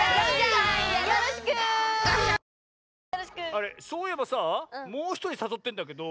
あれそういえばさぁもうひとりさそってんだけど。